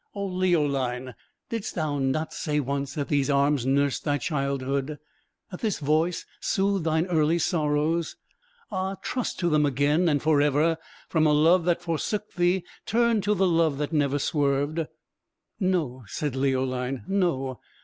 "Oh, Leoline! didst thou not say once that these arms nursed thy childhood; that this voice soothed thine early sorrows? Ah, trust to them again and for ever. From a love that forsook thee turn to the love that never swerved." "No," said Leoline; "no.